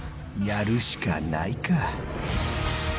やるしかないか。